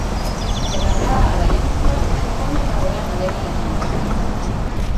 Se traslada a Valencia y se forma en la Real Academia de San Carlos.